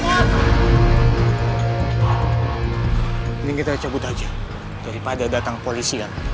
mending kita cabut aja daripada datang polisi kan